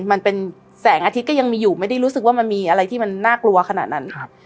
มันเป็นแสงอาทิตย์ก็ยังมีอยู่ไม่ได้รู้สึกว่ามันมีอะไรที่มันน่ากลัวขนาดนั้น